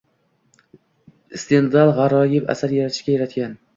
Stendal g’aroyib asar yaratishga yaratgan.